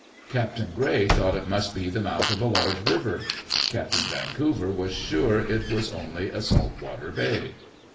Captain Gray thought it must be the mouth of a large river. Captain Vancouver was sure it was only a salt water bay.